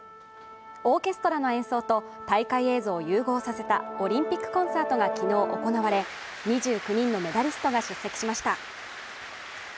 オーケストラの演奏と大会映像を融合させたオリンピックコンサートが昨日、行われ２９人のメダリストが出席しました。